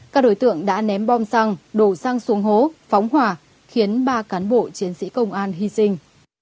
các đối tượng đã ném bom xăng đổ xăng xuống hố phóng hỏa khiến ba cán bộ chiến sĩ công an hy sinh